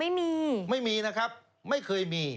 ไม่มีไม่มีนะครับไม่เคยมี